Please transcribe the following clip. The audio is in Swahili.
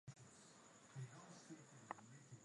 kutokana na kwamba hii sheria imeshapita